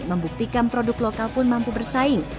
membuktikan produk lokal pun mampu bersaing